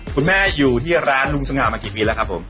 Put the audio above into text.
คุณแม่อยู่ที่ร้านลุงสง่ามากี่ปีแล้วครับผม